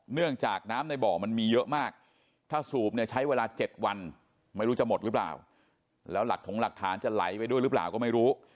เนื่องจากน้ำในบ่อมันมีเยอะมากถ้าสูบเนี่ยใช้เวลา๗วันไม่รู้จะหมดหรือเปล่าแล้วหลักถงหลักฐานจะไหลไปด้วยหรือเปล่าก็ไม่รู้